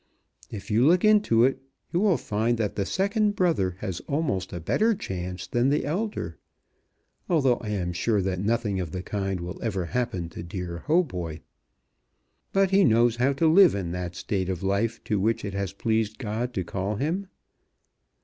If you look into it you will find that the second brother has almost a better chance than the elder, although I am sure that nothing of the kind will ever happen to dear Hautboy. But he knows how to live in that state of life to which it has pleased God to call him!